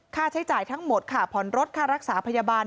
ค่าใช้จ่ายทั้งหมดค่ะผ่อนรถค่ารักษาพยาบาล